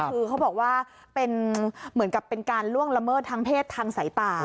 คือเขาบอกว่าเป็นเหมือนกับเป็นการล่วงละเมิดทางเพศทางสายตา